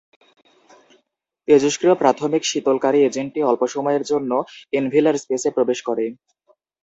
তেজস্ক্রিয় প্রাথমিক শীতলকারী এজেন্টটি অল্প সময়ের জন্য এনভেলার স্পেসে প্রবেশ করে।